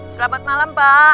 selamat malam pak